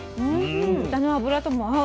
豚の脂とも合う。